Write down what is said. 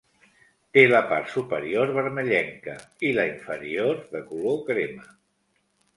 Té la part superior vermellenca i la inferior de color crema.